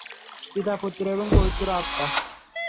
পিতা, পুত্র এবং পবিত্র আত্মা!